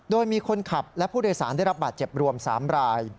โดยมีคนขับและผู้โดยสารได้รับบาดเจ็บรวม๓ราย